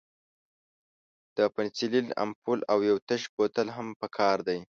د پنسلین امپول او یو تش بوتل هم پکار دی.